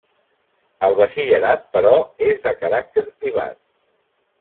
El Batxillerat però, és de caràcter privat.